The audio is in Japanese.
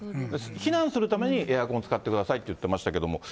避難するためにエアコン使ってくださいと言ってましたけれども。